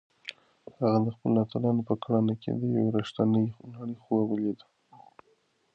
هغه د خپلو اتلانو په کړنو کې د یوې رښتیانۍ نړۍ خوب لیده.